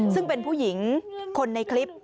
ซึ่งเป็นผู้หญิงคนในคลิป